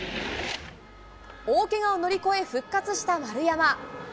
大けがを乗り越え、復活した丸山。